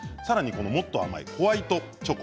もっと甘いホワイトチョコ。